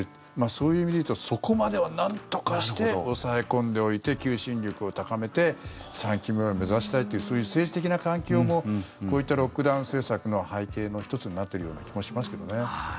そういう意味でいうとそこまではなんとかして抑え込んでおいて求心力を高めて３期目を目指したいというそういう政治的な環境もこういったロックダウン政策の背景の１つになってる気もしますけどね。